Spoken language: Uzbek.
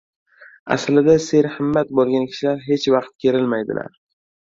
Aslida serhimmat bo‘lgan kishilar hech vaqt kerilmaydilar.